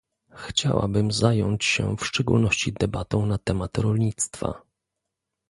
Chciałabym zająć się w szczególności debatą na temat rolnictwa